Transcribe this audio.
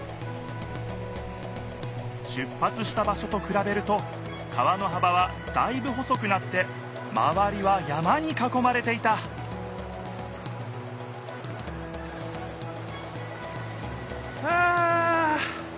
出ぱつした場しょとくらべると川のはばはだいぶ細くなってまわりは山にかこまれていたはあ！